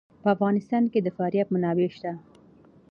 په افغانستان کې د فاریاب منابع شته.